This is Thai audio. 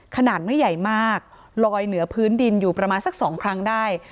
ขนาดไม่ใหญ่มากลอยเหนือพื้นดินอยู่ประมาณสักสองครั้งได้